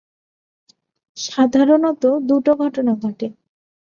সাধারণত, দুটো ঘটনা ঘটে।